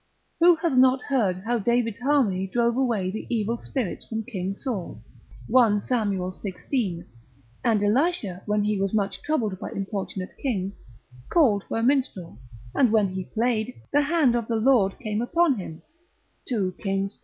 Who hath not heard how David's harmony drove away the evil spirits from king Saul, 1 Sam. xvi. and Elisha when he was much troubled by importunate kings, called for a minstrel, and when he played, the hand of the Lord came upon him, 2 Kings iii.